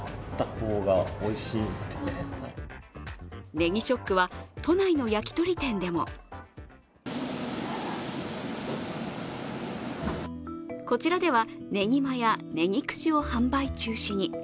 ねぎショックは都内の焼き鳥店でもこちらでは、ねぎまやねぎ串を販売中止に。